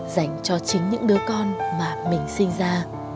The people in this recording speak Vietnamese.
dành cho chính những đứa con mà mình sinh ra